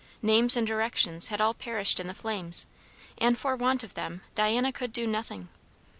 Names and directions had all perished in the flames, and for want of them Diana could do nothing.